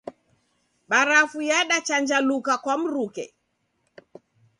Barafu yadachanjaluka kwa mruke.